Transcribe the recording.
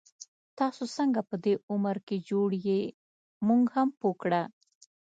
تاسو څنګه په دی عمر کي جوړ يې، مونږ هم پوه کړه